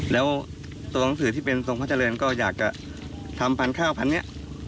แล้วตัวหนังสือที่เป็นทรงพระเจริญก็อยากจะทำพันธุ์ข้าวพันธุ์นี้